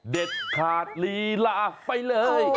เด็ดขาดลีลาไปเลย